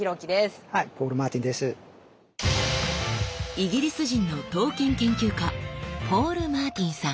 イギリス人の刀剣研究家ポール・マーティンさん。